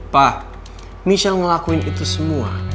pak michelle ngelakuin itu semua